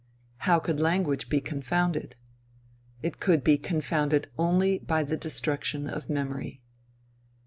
How could language be confounded? It could be confounded only by the destruction of memory.